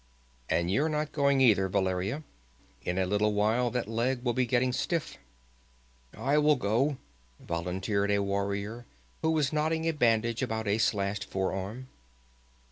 "And you're not going either, Valeria. In a little while that leg will be getting stiff." "I will go," volunteered a warrior, who was knotting a bandage about a slashed forearm.